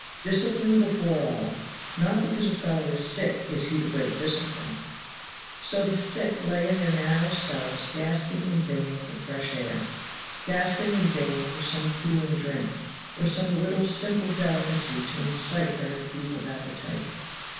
Discipline before all. Not because a fellow is sick is he to break discipline. So the sick lay in their narrow cells gasping in vain for fresh air, gasping in vain for some cooling drink, or some little simple delicacy to incite their enfeebled appetite.